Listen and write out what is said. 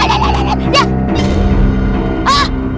aneh aneh aneh